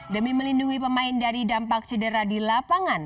demi melindungi pemain dari dampak cedera di lapangan